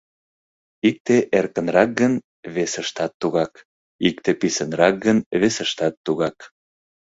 Икте эркынрак гын — весыштат тугак, икте писынрак гын — весыштат тугак.